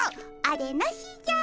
あれなしじゃ。